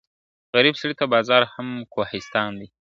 غریب سړي ته بازار هم کوهستان دئ `